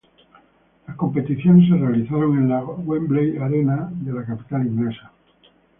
Las competiciones se realizaron en la Wembley Arena de la capital inglesa.